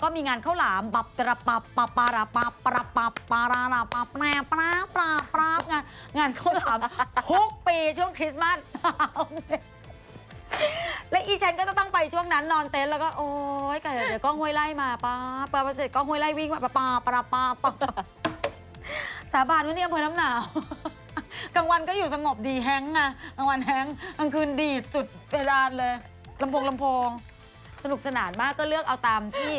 มีร้านให้กลางเต้นแล้วก็มีงานเข้าหลาม